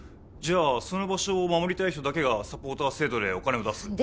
じゃあその場所を守りたい人だけがサポーター制度でお金を出す。